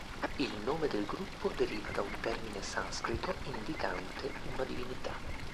Il nome del gruppo deriva da un termine sanscrito indicante una divinità.